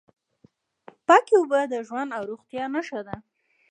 پاکې اوبه د ژوند او روغتیا نښه ده.